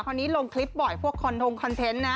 คนนี้ลงคลิปบ่อยพวกคอนทงคอนเทนต์นะ